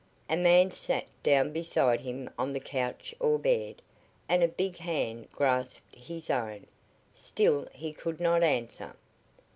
A man sat down beside him on the couch or bed, and a big hand grasped his own. Still he could not answer.